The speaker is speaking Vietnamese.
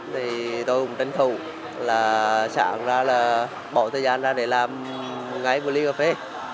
thì tôi cũng tranh thủ là chẳng ra là bỏ thời gian ra để làm ngay một ly cà phê